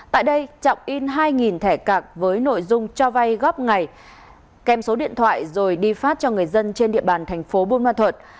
tại đây trọng in hai thẻ cạc với nội dung cho vay góp ngày kèm số điện thoại rồi đi phát cho người dân trên địa bàn thành phố buôn ma thuật